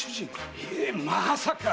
〔ええ⁉まさか？〕